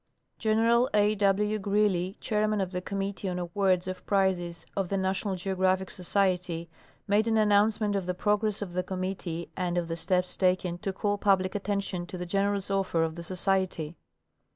General A. W. Greely, chairman of the committee on awards of prizes of The National Geographic Society, made an an nouncement of the progress of the committee and of the steps taken to call public attention to the generous offer of the Society.